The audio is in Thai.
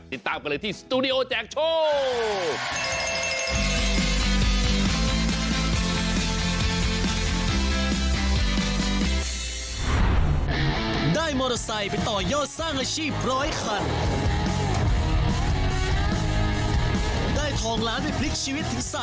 ติดตามกันเลยที่สตูดิโอแจกโชค